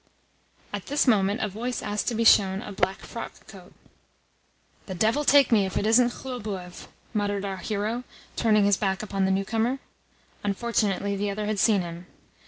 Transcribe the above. At this moment a voice asked to be shown a black frockcoat. "The devil take me if it isn't Khlobuev!" muttered our hero, turning his back upon the newcomer. Unfortunately the other had seen him.